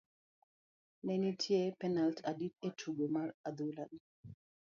ne nitie penalt adi e tugo mar adhula no?